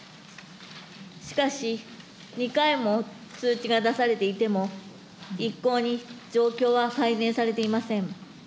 しかし、２回も通知が出されていても、一向に状況は改善されていません。